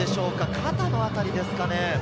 肩の辺りですか？